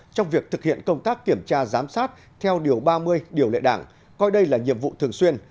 trong việc thực hiện công tác kiểm tra giám sát theo điều ba mươi điều lệ đảng coi đây là nhiệm vụ thường xuyên